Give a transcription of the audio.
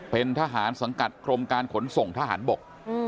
เป็นทหารสังกัดกรมการขนส่งทหารบก